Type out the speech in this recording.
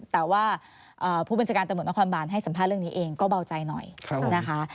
แต่ว่าผู้บัญชาการตำรวจนครบานให้สัมภาษณ์เรื่องนี้เองก็เบาใจหน่อยนะคะ